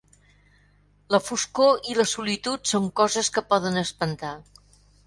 La foscor i la solitud són coses que poden espantar.